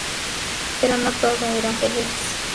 Pero no todo eran peleas.